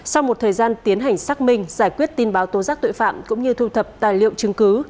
sau một thời gian tiến hành xác minh giải quyết tin báo tố giác tội phạm cũng như thu thập tài liệu chứng cứ